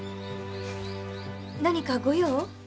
何かご用？